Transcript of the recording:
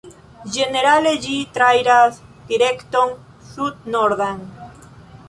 Ĝenerale ĝi trairas direkton Sud-Nordan.